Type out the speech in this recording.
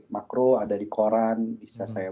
makro ada di koran bisa saya